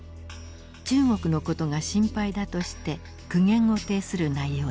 中国の事が心配だとして苦言を呈する内容でした。